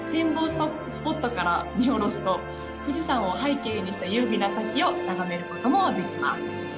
スポットから見下ろすと富士山を背景にした優美な滝を眺めることもできます。